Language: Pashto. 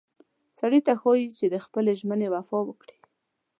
سړي ته ښایي چې د خپلې ژمنې وفا وکړي.